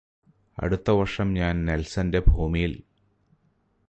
അടുത്ത വര്ഷം ഞാന് നെല്സന്റെ ഭൂമിയില്